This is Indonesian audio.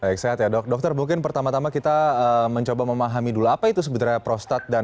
baik sehat ya dok dokter mungkin pertama tama kita mencoba memahami dulu apa itu sebenarnya prostat dan